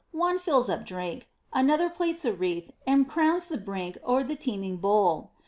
One fills up drink ; Another plaits a wreath, and crowns the brink O' th' teeming bowl.